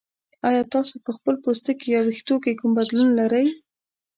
ایا تاسو په خپل پوستکي یا ویښتو کې کوم بدلون لرئ؟